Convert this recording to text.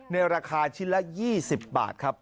ในราคาชิ้นละ๒๐บาทครับ